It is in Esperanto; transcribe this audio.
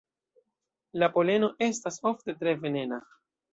La poleno estas ofte tre venena.